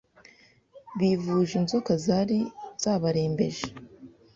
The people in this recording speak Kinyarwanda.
bivuje inzoka zari zabarembeje